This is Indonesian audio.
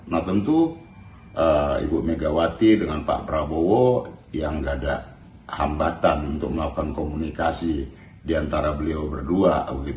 nah tentu ibu megawati dengan pak prabowo yang tidak ada hambatan untuk melakukan komunikasi diantara beliau berdua